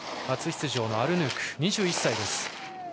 初出場のアルヌーク、２１歳。